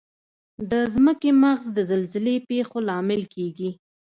د ځمکې مغز د زلزلې پېښو لامل کیږي.